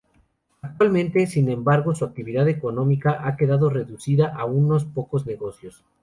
Actualmente, sin embargo, su actividad económica ha quedado reducida a solo unos pocos negocios.